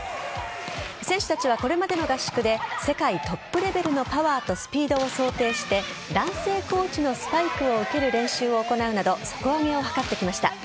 選手たちはこれまでの合宿で世界トップレベルのパワーとスピードを想定して男性コーチのスパイクを受ける練習を行うなど底上げを図ってきました。